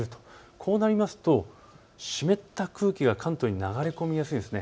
こうなると湿った空気が関東に流れ込みやすいんです。